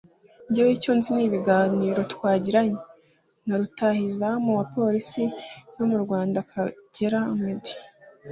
“Njyewe icyo nzi ni ibiganiro twagiranye na rutahizamu wa Police yo mu Rwanda Kagere Meddie